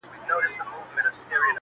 ژبه یې لمبه ده اور په زړه لري٫